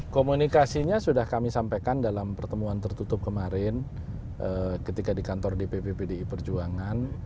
komunikasinya sudah kami sampaikan dalam pertemuan tertutup kemarin ketika di kantor dpp pdi perjuangan